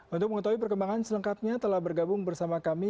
untuk mengetahui perkembangan selengkapnya telah bergabung bersama kami